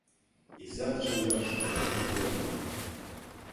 Изат шындаш шона у пӧртым